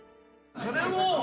「それを」。